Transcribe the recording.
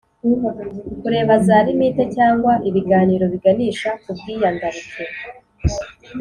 kureba za limite cyangwa ibiganiro biganisha ku bwiyandarike